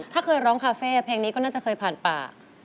ถ้าเคยร้องคาเฟ่เพลงนี้ก็น่าจะเคยผ่านปาก